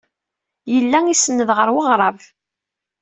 Yella isenned ɣer weɣrab.